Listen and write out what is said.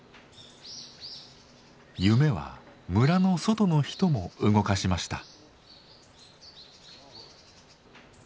夢は村の外の人も動かしました。